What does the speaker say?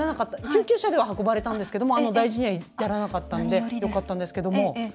救急車では運ばれたんですけども大事には至らなかったんでよかったんですけども。